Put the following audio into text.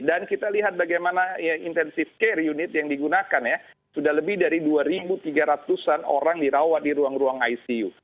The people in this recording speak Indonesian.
dan kita lihat bagaimana intensif care unit yang digunakan ya sudah lebih dari dua tiga ratus an orang dirawat di ruang ruang icu